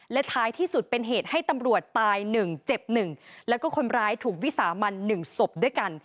และท้ายที่สุดเป็นเหตุให้ตำรวจตาย๑เจ็บ๑แล้วก็คนร้ายถูกวิสามัน๑ศพด้วยกัน